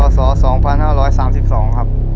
ข้อสองพันห้าร้อยสามสิบสองครับ